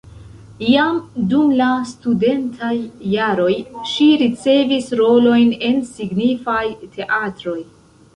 Jam dum la studentaj jaroj ŝi ricevis rolojn en signifaj teatroj.